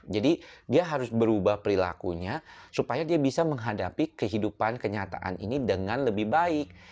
jadi dia harus berubah perilakunya supaya dia bisa menghadapi kehidupan kenyataan ini dengan lebih baik